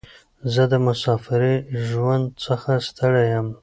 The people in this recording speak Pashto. زه د مساپرۍ ژوند څخه ستړی یم.